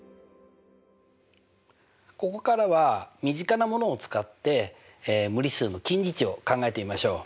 ここからは身近なものを使って無理数の近似値を考えてみましょう。